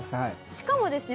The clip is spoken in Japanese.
しかもですね